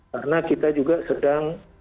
karena kita juga sedang